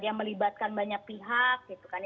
yang melibatkan banyak pihak gitu kan